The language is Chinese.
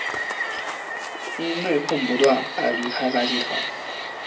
因内哄不断而离开该集团。